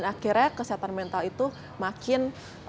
akhirnya kesehatan mental itu makin